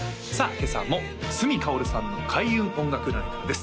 今朝も角かおるさんの開運音楽占いからです